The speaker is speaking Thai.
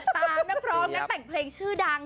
นักร้องนักแต่งเพลงชื่อดัง